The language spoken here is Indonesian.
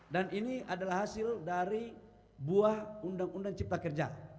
dan ini adalah hasil dari buah undang undang cipta kerja